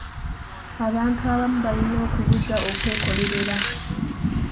Abantu abamu balina okuyiga okwekolerera.